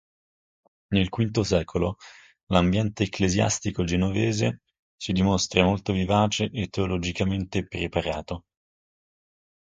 Nel V secolo l'ambiente ecclesiastico genovese si dimostra molto vivace e teologicamente preparato.